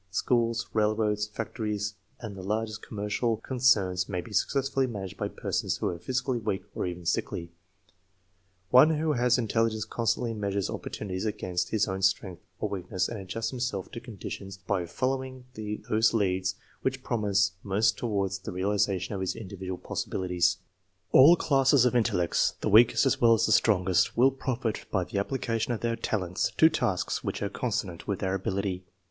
Schools, railroads, factories, and the largest commercial concerns may be successfully managed by person*? who are physically weak or even sickly. One who has intelligence constantly measures opportunities against his own strength or weak ness and adjusts himself to conditions by following those leads wliich promise most toward the realization of his individual possibilities. USES OF INTELLIGENCE TESTS 21 All classes of intellects, the weakest as well as the strong est, will profit by the application of their talents to tasks which are consonant with their ability.